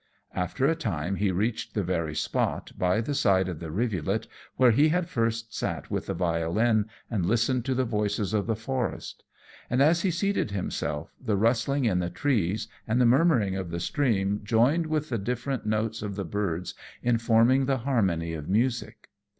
After a time he reached the very spot, by the side of the rivulet, where he had first sat with the violin and listened to the voices of the forest; and as he seated himself, the rustling in the trees and the murmuring of the stream joined with the different notes of the birds in forming the harmony of music.